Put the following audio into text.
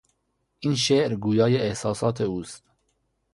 این شعر گویای احساسات اوست.